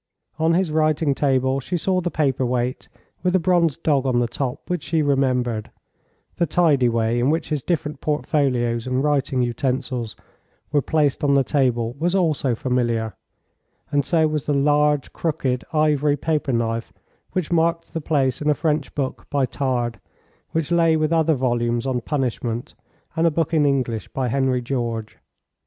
On his writing table she saw the paper weight with the bronze dog on the top which she remembered; the tidy way in which his different portfolios and writing utensils were placed on the table was also familiar, and so was the large, crooked ivory paper knife which marked the place in a French book by Tard, which lay with other volumes on punishment and a book in English by Henry George.